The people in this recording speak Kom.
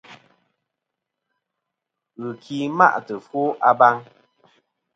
Ghɨki ma'tɨ ɨfwo a baŋ.